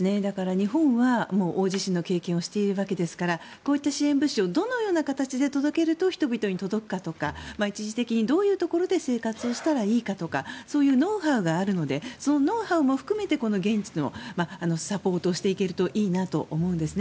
日本は大地震の経験をしてるわけですからこういった支援物資をどのような形で届けると人々に届くかとか一時的にどういうところで生活をしたらいいかとかそういうノウハウがあるのでそのノウハウも含めて現地のサポートをしていけるといいなと思うんですね。